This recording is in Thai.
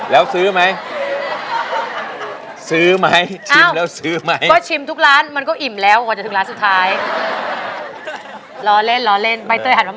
แล้วซื้อไหมซื้อไหมชิมแล้วซื้อไหม